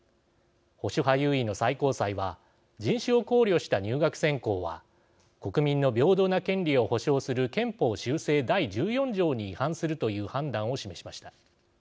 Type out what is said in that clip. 保守派優位の最高裁は人種を考慮した入学選考は国民の平等な権利を保障する憲法修正第１４条に違反するという判断を示しました。